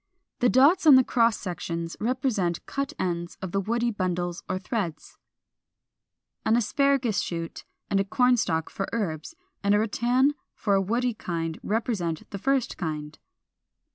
The dots on the cross sections represent cut ends of the woody bundles or threads.] 426. An Asparagus shoot and a Corn stalk for herbs, and a rattan for a woody kind, represent the first kind.